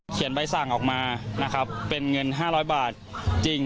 เขียนใบสั่งออกมาเป็นเงินห้าร้อยบาทจริง